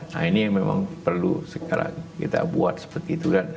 nah ini memang perlu sekarang kita buat seperti itu